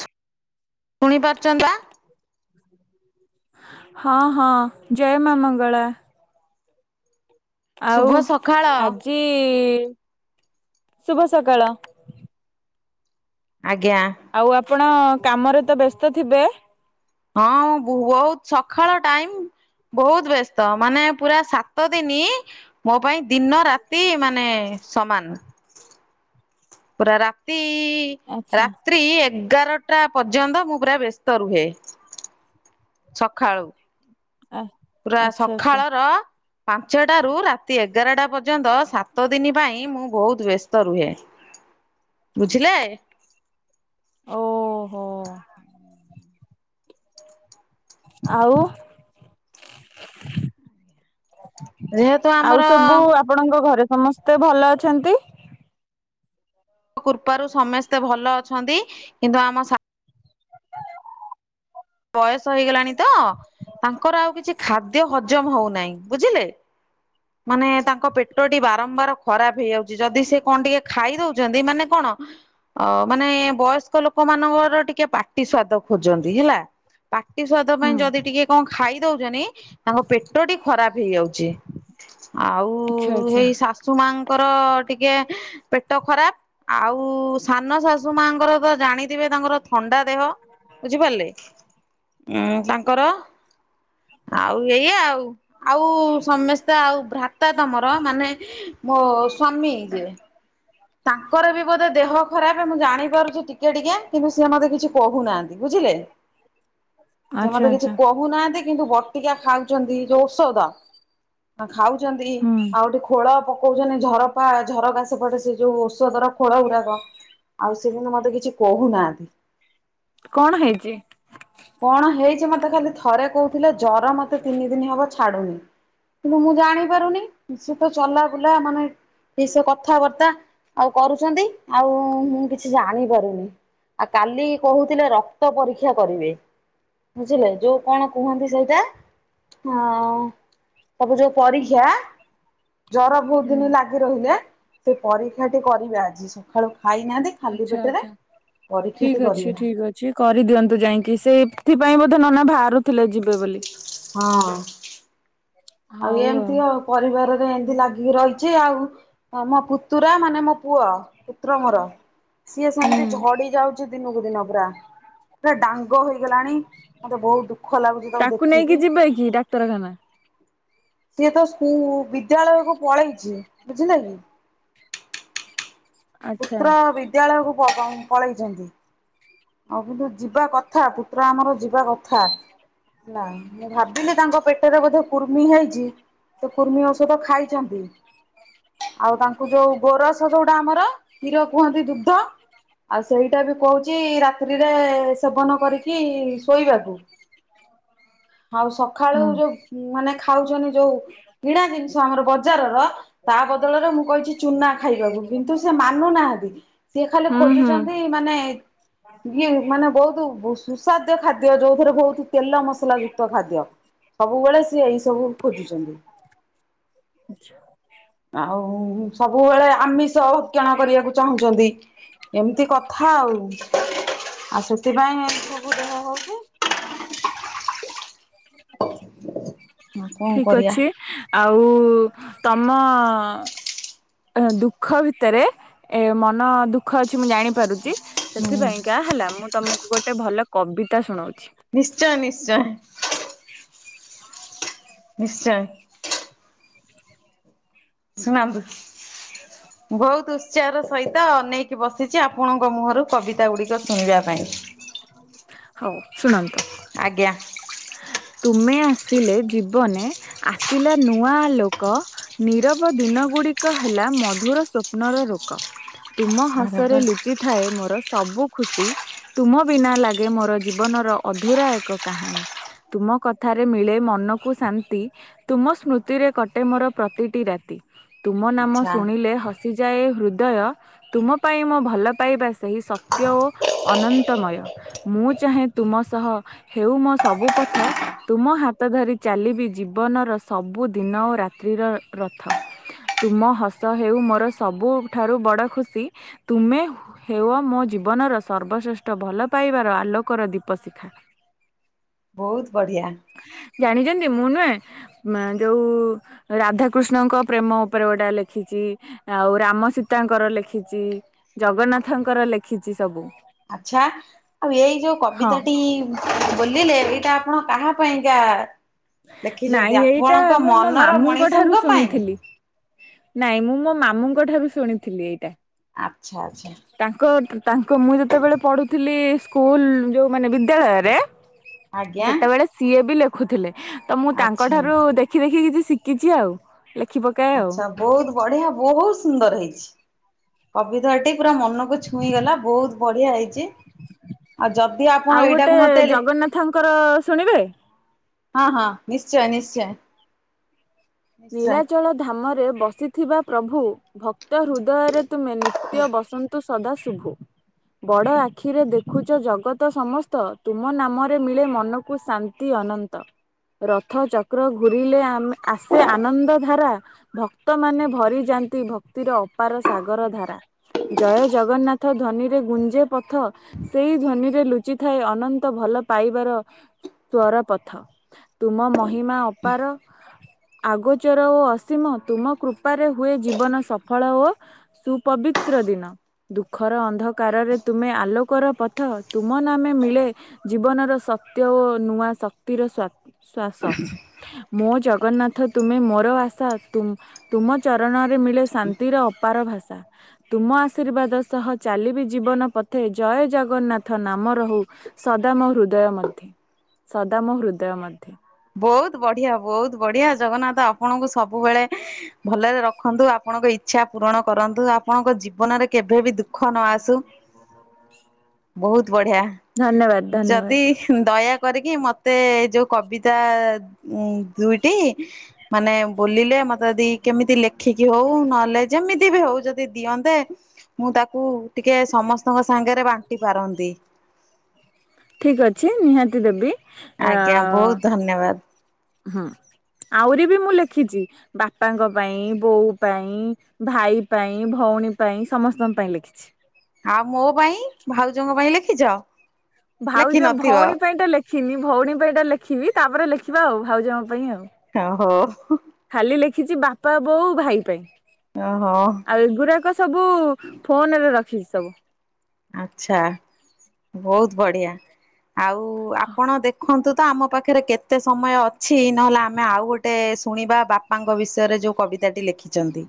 ଶୁ-ଶୁଣି ପାରୁଚ ବା ହଁ, ହଁ ଜୟ ମା ମଙ୍ଗଳା। ଆଉ ଶୁଭ ସକାଳ। ଆଜି ଶୁଭ ସକାଳ। ଆଜ୍ଞା। ଆଉ ଆପଣ କାମରେ ତ ବ୍ୟସ୍ତ ଥିବେ। ହଁ ମୁଁ ବୋ ବୋହୁତ ସକାଳ ଟାଇମ। ବୋହୁତ ବ୍ୟସ୍ତ ମାନେ ପୁରା ସାତ ଦିନି ମୋ ପାଇଁ ଦିନ ରାତି ମାନେ ସମାନ। ପୁରା ରାତି ରା ଆଚ୍ଛା ତ୍ରୀ ଏଗାରଟା ପର୍ଯ୍ୟନ୍ତ ମୁଁ ପୁରା ବ୍ୟସ୍ତ ରୁହେ। ସଖାଳୁ। ଆ ପୁରା ଆଚ୍ଛା ଆଚ୍ଛା ସଖାଳର ପାଞ୍ଚଟାରୁ ରାତି ଏଗାରଟା ପର୍ଯ୍ୟନ୍ତ ସାତ ଦିନି ପାଇଁ ମୁଁ ବୋହୁତ ବ୍ୟସ୍ତ ରୁହେ। ହ ବୁଝିଲେ। ଓହୋ। ଆଉ। ଯେହେତୁ ଆମର ଆଉ ସବୁ ଆପଣଙ୍କ ଘରେ ସମସ୍ତେ ଭଲ ଅଛନ୍ତି। କୃପାରୁ ସମସ୍ତେ ଭଲ ଅଛନ୍ତି କିନ୍ତୁ ଆମ ସ ବୟସ ହେଇଗଲାଣି ତ ତାଙ୍କର ଆଉ କିଛି ଖାଦ୍ୟ ହଜମ ହୋଉନାହିଁ ବୁଝିଲେ। ମାନେ ତାଙ୍କ ପେଟଟି ବାରମ୍ବାର ଖରାପ ହେଇଯାଉଚି ଯଦି ସେ କଣ ଟିକେ ଖାଇ ଦୋଉଚନ୍ତି ମାନେ କଣ ଅ ମାନେ ବୟସ୍କ ଲୋକ ମାନଙ୍କର ଟିକେ ପାଟି ସ୍ଵାଦ ଖୋଜନ୍ତି ହେଲା। ପାଟି ସ୍ୱାଦ ହୁଁ ପାଇଁ ଯଦି ଟିକେ କଣ ଖାଇ ଦୋଉଚନ୍ତି ତାଙ୍କ ପେଟଟି ଖରାପ ହେଇଯାଉଚି। ଆଉ ଆଚ୍ଛା ଆଚ୍ଛା ଏଇ ଶାଶୁ ମାଆଙ୍କର ଟିକେ ପେଟ ଖରାପ ଆଉ ସାନ ଶାଶୁ ମାାଙ୍କର ତ ଜାଣିଥିବେ ତାଙ୍କର ଥ ଥଣ୍ଡା ଦେହ ବୁଝିପାରଲେ ଉଁ ତାଙ୍କର ଆଉ ଏଇଆ ଆଉ ଆଉ ସମେସ୍ତେ ଆଉ ଭ୍ରାତା ତମର ମାନେ ମୋ ସ୍ଵାମୀ ଯିଏ ତାଙ୍କର ବି ବୋଧେ ଦେହ ଖରାପେ ମୁଁ ଜାଣି ପାରୁଚି ଟିକେ ଟିକେ କିନ୍ତୁ ସିଏ ମତେ କିଛି କୋହୁନାହାନ୍ତି ବୁଝିଲେ। ଆଚ୍ଛା ଆଚ୍ଛା। କୋହୁନାହାନ୍ତି କିନ୍ତୁ ବଟିକା ଖାଉଚନ୍ତି ଯୋଉ ଔଷଧ ଖାଉଚନ୍ତି ହୁଁ ଆଉ ଗୋଟେ ଖୋଳ ପକୋଉଚନ୍ତି ଝରପା ଝରକା ସେପଟେ ସେ ଯୋଉ ଔଷଧର ଖୋଳଗୁଡାକ ଆଉ ସେ କିନ୍ତୁ ମତେ କିଛି କୋହୁନାହାନ୍ତି। କଣ ହେଇଚି। କଣ ହେଇଚି ମତେ ଖାଲି ଥରେ କୋହୁଥୁଲେ ଜର ମତେ ତିନି ଦିନି ହବ ଛାଡୁନି। କିନ୍ତୁ ମୁଁ ଜାଣି ପାରୁନି ସେ ତ ଚଲା ବୁଲା ମାନେ କି ସେ କଥାବାର୍ତ୍ତା ଆଉ କରୁଚନ୍ତି ଆଉ ମୁଁ କିଛି ଜାଣି ପାରୁନି। ଆଉ କାଲି କୋହୁଥୁଲେ ରକ୍ତ ପରୀକ୍ଷା କରିବେ। ବୁଝିଲେ ଯୋଉ କଣ କୁହନ୍ତି ସେଇଟା ହଁ ସବୁ ଯୋଉ ପରୀକ୍ଷା ଜର ବୋହୁତ ହୁଁ ଦିନ ଲାଗିରହିଲା ସେ ପରୀକ୍ଷାଟି କରିବେ ଆଜି ସ ସଖାଳୁ ଖାଇନାହାନ୍ତି ଖାଲି ଆଚ୍ଛା ପେଟରେ ପରୀକ୍ଷାଟି କରିବା। ଯି କରିଦିଅନ୍ତୁ ଯାଇକି ସେଇଥିପାଇଁ ବୋଧେ ନନା ବାହାରୁଥିଲେ ଯିବେ ବୋଲି। ହଁଅଁ। ଆଉ ଏମିତି ଆଉ, ପରିବାରରେ ଏମିତି ଲାଗିକି ରହିଛି ଆଉ। ତମ ପୁତୁରା ମାନେ ମୋ ପୁଅ। ପୁତ୍ର ମୋର। ସିଏ ସେମିତି ହୁଁ ଝଡି ଯାଉଛି ଦିନକୁ ଦିନ ପୁରା। ପୁରା ଡାଙ୍ଗ ହେଇଗଲାଣି। ମତେ ବହୁତ ଦୁଃଖ ଲାଗୁଛି ତାକୁ ଦେଖିକି। ଉତ୍ତରାଖାନା। ସିଏ ତ ସ୍କୁ ବିଦ୍ୟାଳୟକୁ ପଳେଇଛି ବୁଝିଲ କି? ଆଚ୍ଛା ପୁତ୍ର ବିଦ୍ୟାଳୟକୁ ପଳେଇଛନ୍ତି। ଆଉ କିନ୍ତୁ ଯିବା କଥା। ପୁତ୍ର ଆମର ଯିବା କଥା। ନା, ମୁଁ ଭାବିଲି ତାଙ୍କ ପେଟରେ ବୋଧେ କୁର୍ମି ହେଇଛି, ସେ କୁର୍ମି ଔଷଧ ଖାଇଛନ୍ତି। ଆଉ ତାଙ୍କୁ ଯୋଉ ଗୋରସ ଯୋଉଟା ଆମର? କ୍ଷୀର କୁହନ୍ତି ଦୁଗ୍ଧ? ଆଉ ସେଇଟା ବି କହୁଛି ରା ତିରେ ସେବନ କରିକି ଶୋଇବାକୁ। ଆଉ ସକାଳୁ ହୁଁ ଯୋଉ ମାନେ ଖାଉଛନ୍ତି ଯୋଉ, କିଣା ଜିନିଷ ଆମର ବଜାରର ତା ବଦଳରେ ମୁଁ କହିଛି ଚୁନା ଖାଇବାକୁ। କିନ୍ତୁ ସେ ମାନୁନାହାନ୍ତି ସିଏ ଖାଲି ହୁଁ ହୁଁ ଖୋଜୁଛନ୍ତି? ଏ ମାନେ ଇଏ ମାନେ ବହୁତ ସୁସାଦ୍ୟ ଖାଦ୍ୟ, ଯୋଉଥିରେ ବହୁତ ତେଲ ମସଲା ଯୁକ୍ତ ଖାଦ୍ୟ। ସବୁବେଳେ ସିଏ ଏଇ ସବୁ ଖୋଜୁଛନ୍ତି। ଆଛା। ଆଉ ସବୁବେଳେ ଆମିଷ ହ କ୍ଷଣ କରିବାକୁ ଚାହୁଁଛନ୍ତି। ଏମିତି କଥା ଆଉ। ଆଉ ସେଥିପାଇଁ ସବୁ ଦେହ ହଉଛି [unintelligible] କଣ ଠିକ୍ କରିବା। ଅଛି। ଆଉ ତମ ଏ ଦୁଃଖ ଭିତରେ, ଏ ମନ ଦୁଃଖ ଅଛି? ମୁଁ ଜାଣିପାରୁଛି। ହୁଁ ସେଥିପାଇଁ କା ହେଲା। ମୁଁ ତମକୁ ଗୋଟେ ଭଲ କବିତା ଶୁଣଉଛି? ନିଶ୍ଚୟ ନିଶ୍ଚୟ। ନିଶ୍ଚୟ। ଶୁଣନ୍ତୁ? ବହୁତ ଚେୟାର ସହିତ ଅନେଇକି ବସିଛି, ଆପଣଙ୍କ ମୁହଁରୁ କବିତା ଗୁଡ଼ିକ ଶୁଣିବା ପାଇଁ। ହଉ ଶୁଣନ୍ତୁ? ଆଜ୍ଞା। ତୁମେ ଆସିଲେ ଜୀବନେ, ଆସିଲା ନୂଆ ଆଲୋକ। ନିରବ ଦିନ ଗୁଡିକ ହେଲା, ମଧୁର ସ୍ୱପ୍ନର ରୋକ। ତୁମ ଆରେ ହସରେ ବା ଲୁଚି ଥାଏ ମୋର ସବୁ ଖୁସି, ତୁମ ବିନା ଲାଗେ ମୋର ଜୀବନର ଅଧୁରା ଏକ କାହାଣୀ। ତୁମ କଥାରେ ମିଳେ ମନକୁ ଶାନ୍ତି। ତୁମ ସ୍ମୃତିରେ କଟେ ମୋର ପ୍ରତିଟି ରାତି। ତୁମ ନାମ ଆଚ୍ଛା ଶୁଣିଲେ ହସିଯାଏ ହୃଦୟ, ତୁମ ପାଇଁ ମୋ ଭଲ ପାଇବା ସେହି ସତ୍ୟ ଓ ଅନନ୍ତମୟ। ମୁଁ ଚାହେଁ ତୁମ ସହ ହେଉ ମୋ ସବୁ ପଥ। ତୁମ ହାତ ଧରି ଚାଲିବି ଜୀବନର ସବୁ ଦିନ ଓ ରାତ୍ରିର ରଥ। ତୁମ ହସ ହେଉ ମୋର ସବୁଠାରୁ ବଡ ଖୁସି, ତୁମେ ହେଅ ମୋ ଜୀବନର ସର୍ବଶ୍ରେଷ୍ଠ ଭଲ ପାଇବାର ଆଲୋକର ଦୀପ ଶିଖା। ବହୁତ ବଢ଼ିଆ। ଜାଣିଚନ୍ତି, ମୁଁ ନୁହେଁ, ଯୋଉ ରାଧାକୃଷ୍ଣଙ୍କ ପ୍ରେମ ଉପରେ ଗୋଟେ ଲେଖିଚି ଆଉ ରାମ ସୀତାଙ୍କର ଲେଖିଚି, ଜଗନ୍ନାଥଙ୍କର ଲେଖିଚି ସବୁ। ଆଛା, ଆଉ ଏଇ ଯୋଉ ହଁ କବିତାଟି ବୋଲିଲେ, ଏଇଟା ଆପଣ କାହା ପାଇଁକା ଲେଖିଛନ୍ତି ନାଇଁ ଏଇଟା ଆପଣଙ୍କ ମୁଁ ମୋ ମନର ମାମୁଁଙ୍କ ମଣିଷଙ୍କ ଠାରୁ ପାଇଁ? ଶୁଣିଥିଲି। ନାଇଁ ମୁଁ ମୋ ମାମୁଁଙ୍କଠାରୁ ଶୁଣିଥିଲି ଏଇଟା। ଆଛା ଆଛା। ତାଙ୍କ ତାଙ୍କ ମୁଁ ଯେତେବେଳେ ପଢୁଥିଲି ସ୍କୁଲ୍ ଯୋଉ ମାନେ ବିଦ୍ୟାଳୟରେ, ଆଜ୍ଞା ସେତେବେଳେ ସିଏ ବି ଲେଖୁଥିଲେ, ତ ମୁଁ ତାଙ୍କ ଆଚ୍ଛା ଠାରୁ ଦେ ଦେଖି ଦେଖି କିଛି ଶିଖିଚି ଆଉ, ଲେଖି ପକାଏ ଆଉ। ବହୁତ୍ ବଢିଆ, ବହୁତ ସୁନ୍ଦର ହେଇଚି। କବିତାଟି ପୁରା ମନକୁ ଛୁଇଁଗଲା, ବହୁତ୍ ବଢିଆ ହେଇଚି। ଆଉ ଯଦି ଆପଣ ଆଉ ଗୋଟେ ଏଇଟାକୁ ମତେଇଲେ ଜଗନ୍ନାଥଙ୍କର ଶୁଣିବେ ହଁ ହଁ, ନିଶ୍ଚୟ ନିଶ୍ଚୟ। ନିଶ୍ଚୟ ନୀଳାଚଳ ଧାମରେ ବସିଥିବା ପ୍ରଭୁ, ଭକ୍ତ ହୃଦୟରେ ତୁମେ ନିତ୍ୟ ବସନ୍ତୁ ସଦା ଶୁଭୁ। ବଡ଼ ଆଖିରେ ଦେଖୁଚ ଜଗତ ସମସ୍ତ, ତୁମ ନାମରେ ମିଳେ ମନକୁ ଶାନ୍ତ୍ ଅତି ଅନନ୍ତ, ରଥ ଚକ୍ର ଘୁରିଲେ ଆମେ ଆସ୍ ସେ ଆନନ୍ଦ ଧାରା, ଭକ୍ତମାନେ ଭରି ଯାନ୍ତି, ଭକ୍ତିର ଅପାର ସାଗର ଧାରା। ଜୟ ଜଗନ୍ନାଥ ଧ୍ୱନିରେ ଗୁଞ୍ଜେ ପଥ ସେଇ ଧ୍ୱନିରେ ଲୁଚି ଥାଏ ଅନନ୍ତ ଭଲ ପାଇବାର ସ୍ଵର ପଥ। ତୁମ ମହିମା ଅପାର ଆଗୋଚର ଓ ଅସୀମ, ତୁମ କୃପାରେ ହୁଏ ଜୀବନ ସଫଳ ଓ ସୁପବିତ୍ର ଦିନ ଦୁଃଖର ଅନ୍ଧକାରରେ ତୁମେ ଆଲୋକର ପଥ, ତୁମ ନାମେ ମିଳେ ଜୀବନର ସତ୍ୟ ଓ ନୂଆ ଶକ୍ତିର ସ୍ୱା ଶ୍ଵାସ, ମୋ ଜଗନ୍ନାଥ ତୁମେ ମୋର ଆଶା, ତୁମ୍ ତୁମ ଚରଣରେ ମିଳେ ଶାନ୍ତିର ଅପାର ଭାଷା। ତୁମ ଆଶୀର୍ବାଦ ସହ ଚାଲିବି ଜୀବନ ପଥେ, ଜୟ ଜଗନ୍ନାଥ ନାମ ରହୁ ସଦା ମୋ ହୃଦୟ ମଧ୍ୟେ, ସଦା ମୋ ହୃଦୟ ମଧ୍ୟେ ବହୁତ ବଢିଆ, ବହୁତ ବଢିଆ, ଜଗନ୍ନାଥ ଆପଣଙ୍କୁ ସବୁବେଳେ ଭଲରେ ରଖନ୍ତୁ, ଆପଣଙ୍କ ଇଛା ପୂରଣ କରନ୍ତୁ, ଆପଣଙ୍କ ଜୀବନରେ କେଭେ ବି ଦୁଃଖ ନ ଆସୁ। [unintelligible] ବହୁତ ବଢିଆ, ଧନ୍ୟବାଦ ଯଦି ଧନ୍ୟବାଦ। ଦୟା କରିକି, ମତେ ଯୋଉ କବି ତା ଉ ଦୁଇଟି, ମାନେ ବୋଲିଲେ, ମତେ ଯଦି କେମିତି ଲେଖିକି ହଉ, ନହେଲେ ଯେମିତି ବି ହଉ, ଯଦି ଯଦି ଦିଅନ୍ତେ, ମୁଁ ତାକୁ ଟିକେ ସମସ୍ତଙ୍କ ସାଙ୍ଗରେ ବାଣ୍ଟି ପାରନ୍ତି। ଠିକ୍ ଅଛି, ନିହାତି ଦେବି, ଅ ଆଜ୍ଞା ଅ ବହୁତ ଧନ୍ୟବାଦ। ହୁଁ। ଆହୁରି ବି ମୁଁ ଲେଖିଚି, ବାପାଙ୍କ ପାଇଁ, ବୋଉ ପାଇଁ ଭାଇ ପାଇଁ, ଭଉଣୀ ପାଇଁ, ସମସ୍ତଙ୍କ ପାଇଁ ଲେଖିଚି। ଆଉ ମୋ ପାଇଁ, ଭାଉଜଙ୍କ ପାଇଁ ଲେଖିଚ? ଭାଉଜ, ଭଉଣୀ ପାଇଁଟା ଲେଖିନି, ଭଉଣୀ ପାଇଁଟା ଲେଖିବି, ତାପରେ ଲେଖିବା ଆଉ, ଭାଉଜଙ୍କ ପାଇଁ ଆଉ ହ ହୋ ଖାଲି ଲେଖିଚି ବାପା, ବୋଉ, ଭାଇ ପାଇଁ। ଓହୋ। ଆଉ ଏଗୁଡ଼ାକ ସବୁ ଫୋନରେ ରଖିବି ସବୁ ଆଛାବହୁତ ବଢିଆ। ଆଉ ଆପଣ ଦେଖନ୍ତୁ ତ ଆମ ପାଖରେ କେ ତେ ସମୟ ଅଛି ନହେଲେ ଆମେ ଆଉ ଗୋଟେ ଶୁଣିବା ବାପାଙ୍କ ବିଷୟରେ ଯଉଁ କବିତାଟି ଲେଖିଚନ୍ତି।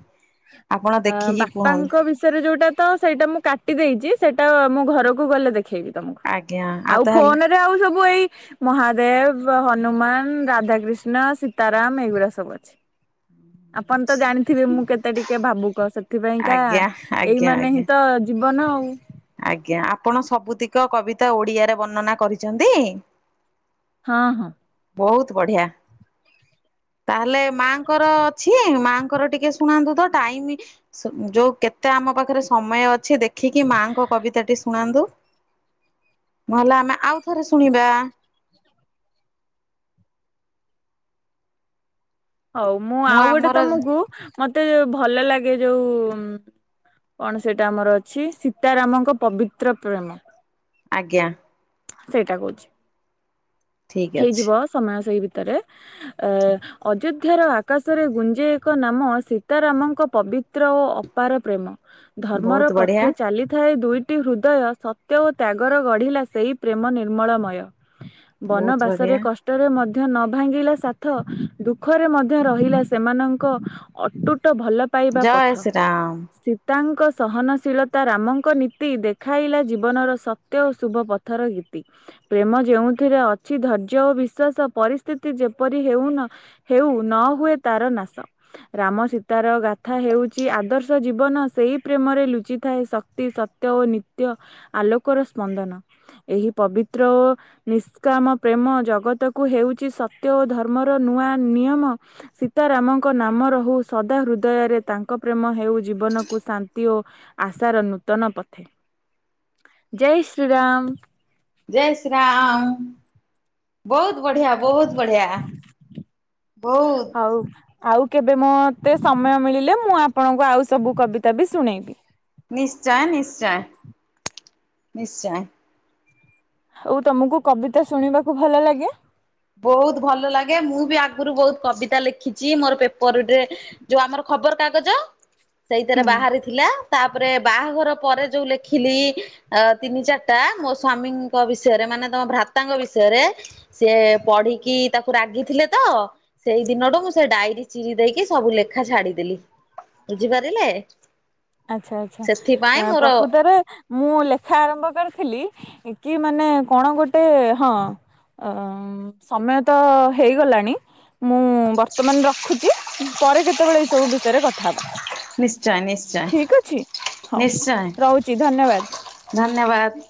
ଅ ବାପାଙ୍କ ବିଷୟରେ ଯୋଉଟା ତ ସେଇଟା ମୁଁ କାଟି ଦେଇଚି, ସେଇଟା ମୁଁ ଘରକୁ ଗଲେ ଦେ ଖେଇବି ତମକୁ, ଆଜ୍ଞା ଆଉ ତାହେଲେ ଫୋନ ରେ ଆଉ ସବୁ ଏଇ ମହାଦେବ, ହନୁମାନ, ରାଧା କୃିଷ୍ଣ, ସୀତାରାମ ଏଗୁଡା ସବୁ ଅଛି। ଆପଣ ତ ଜାଣିଥିବେ ମୁଁ କେତେ ଟିକେ ଭାବୁକ ସେଥିପାଇଁକା ଆଜ୍ଞା ଏଇ ଆଜ୍ଞା ମାନେ ଆଜ୍ଞା ହିଁ ତ ଜୀବନ ଆଉ ଆଜ୍ଞା, ଆପଣ ସବୁତିକ କବିତା ଓଡିଆରେ ବର୍ଣ୍ଣନା କରିଚନ୍ତି। ହଁ ହଁ। ବହୁତ ବଢିଆ ତାହେଲେ ମାଙ୍କର ଅଛି ମାଙ୍କର ଟିକେ ଶୁଣାନ୍ତୁ ତ ଟାଇମ ଯୋଉ କେତେ ଆମ ପାଖରେ ସମୟ ଅଛି ଦେଖିକି ମାଙ୍କ କବିତା ଟି ଶୁଣାନ୍ତୁ। ନହେଲେ ଆମେ ଆଉ ଥରେ ଶୁଣିବା। ହଉ ମୁଁ ଆଉ ଗୋଟେ ତମକୁ, ମତେ ଭଲ ଲାଗେ ଯୋଉ ସେଇଟା ଆମର ଅଛି। ସୀତାରାମଙ୍କ ପବିତ୍ର ପ୍ରେମ ଆଜ୍ଞା। ସେଇଟା କହୁଚି। ଠିକ୍ ହେଇଯିବ ଅଛି ସମୟ ସେଇ ଭିତରେ ଅ ଅଯୋଧ୍ୟାର ଆ ଆକାଶରେ ଗୁଞ୍ଜେଇ ଏକ ନାମ ସୀତାରାମଙ୍କ ପବିତ୍ର ଓ ଅପାର ପ୍ରେମ ଧର୍ମର ବହୁତ ବଢିଆ ପଥେ ଚାଲିଥାଏ ଦୁଇ ଦୁଇଟି ହୃଦୟ ସତ୍ୟ ଓ ତ୍ୟାଗର ଗଢ଼ିଲା ସେଇ ପ୍ରେମ ନିର୍ମଳମୟ ବହୁତ ବନବାସରେ ବଢିଆ କ - - ଷ୍ଟ ରେ ମଧ୍ୟ ନ ଭାଙ୍ଗିଲା ସାଥ ଦୁଃଖରେ ମଧ୍ୟ ରହିଲା ସେମାନଙ୍କ ଅଟୁଟ ଭଲ ପାଇବା ପଥ। ଜୟ ଶ୍ରୀ ରାମ। ତାଙ୍କ ସହନଶୀଳତା ରାମଙ୍କ ନୀତି ଦେଖାଇଲା ଜୀବନର ସତ୍ୟ ଓ ଶୁଭ ପଥର ଗୀତି। ପ୍ରେମ ଯେଉଁଥିରେ ଅଛି ଧୈର୍ଯ୍ୟ ଓ ବିଶ୍ୱାସ ପରିସ୍ଥିତି ଯେପରି ହେଉନ - - ହେଉ ନ ହୁଏ ତାର ନାଶ। ରାମ ସୀତାର ଗାଥା ହେଉଚି ଆଦର୍ଶ ଜୀବନ ସେଇ ପ୍ରେମରେ ଲୁଚିଥାଏ। ଶ - - କ୍ତି ସତ୍ୟ ଓ ନିତ୍ୟ ଆଲୋକର ସ୍ପନ୍ଦନ ଏହି ପବିତ୍ର ଓ କାମ ପ୍ରେମ ଜଗତକୁ ହେଉଛି ସତ୍ୟ ଓ ଧର୍ମର ନୂଆ ନିୟମ ସୀତାରାମଙ୍କ ନାମ ରହୁ ସଦା ହୃଦୟରେ ତାଙ୍କ ପ୍ରେମ ହେଉ ଜୀବନକୁ ଶାନ୍ତି ଓ - - ଆଶାର ନୂତନ ପଥେ, ଜୟ ଶ୍ରୀରାମ। ଜୟ ଶ୍ରୀ ରାମ। ବହୁତ ବଢିଆ, ବହୁତ ବଢିଆ, ବହୁତ୍। ହଉ। ଆଉ କେବେ ମୋତେ ସମୟ ମିଳିଲେ ମୁଁ ଆପଣଙ୍କୁ ଆଉ ସବୁ କବିତା ବି ଶୁଣେଇବି। ନିଶ୍ଚୟ, ନିଶ୍ଚୟ, ନିଶ୍ଚୟ। ହଉ ତମକୁ କବିତା ଶୁଣିବାକୁ ଭଲ ଲାଗେ। ବହୁତ ଭଲ ଲାଗେ, ମୁଁ ବି ଆଗରୁ ବହୁତ କବିତା ଲେଖିଛି ମୋର ପେପରରେ ଯୋଉ ଆମର ଖବର କାଗଜ। ସେଇଥିରେ ହୁଁ ବାହାରେ। ଥିଲା ତାପରେ ବାହାଘର ପରେ ଯୋଉ ଲେଖିଲି - - ଅ ତିନି ଚାର୍ଟା ମୋ ସ୍ଵାମୀଙ୍କ ବିଷୟରେ ମାନେ ତମ ଭ୍ରାତାଙ୍କ ବିଷୟରେ ସିଏ ପଢିକି ତାକୁ ରାଗିଥିଲେ ତ ସେଇ ଦିନଠୁ ମୁଁ ସେ ଡାଇରୀ ଚିରି ଦେଇକି ସବୁ ଲେଖା ଛାଡିଦେଲି। ବୁଝିପାରିଲେ? ଆଚ୍ଛା ଆଚ୍ଛା ସେଥିପାଇଁ ଆଁ ମୋର ପ୍ରକୃତରେ ମୁଁ ଲେଖା ଆରମ୍ଭ କରିଥିଲି କି ମାନେ କଣ ଗୋଟେ ହଁ। ଅ ସମୟ ତ ହେଇଗଲାଣି। ମୁଁ ବର୍ତ୍ତମାନ୍ ରଖୁଛି ପରେ କେତେବେଳେ ଏଇ ସବୁ ବିଷୟରେ କଥା ହେବା। ନିଶ୍ଚୟେ ନି ଠିକ୍ ଅଛି ହଉ ରହୁଛି ଧନ୍ୟବାଦ୍। ଧନ୍ୟବାଦ୍।